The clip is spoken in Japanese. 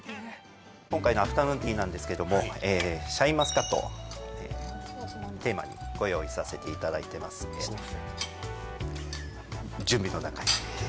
今回のアフタヌーンティーなんですけどもシャインマスカットをテーマにご用意させていただいてますそうですね